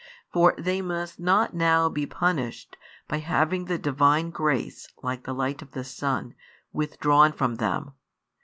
For they must not now be punished, by having the Divine grace (like the light of the sun) withdrawn from them.